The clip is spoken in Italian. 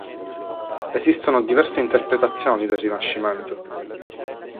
Esistono diverse interpretazioni del Rinascimento.